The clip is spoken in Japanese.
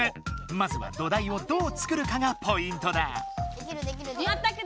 まずは土台をどう作るかがポイントだ。